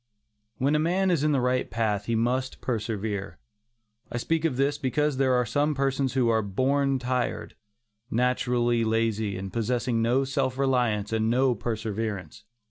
When a man is in the right path, he must persevere. I speak of this because there are some persons who are "born tired"; naturally lazy and possessing no self reliance and no perseverance.